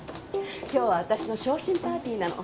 今日は私の昇進パーティーなの。